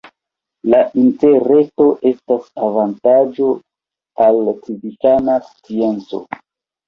La Interreto estas avantaĝo al civitana scienco.